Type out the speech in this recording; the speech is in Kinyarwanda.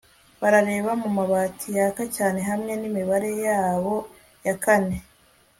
Barareba mumabati yaka cyane hamwe nimibare yabo ya kane